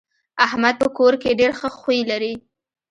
احمد په کور کې ډېر ښه خوی لري.